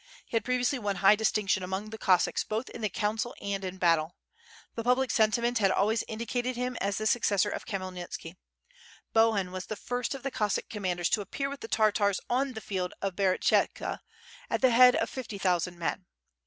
He had previously won high distinction among the Cossacks both in the council and in battle. The public sentiment had always indicated him as the successor of Khmyelnitski. Bohun was the first of the Cossack commanders to appear with the Tartars on the field of Berestechka at the head of fifty thousand men.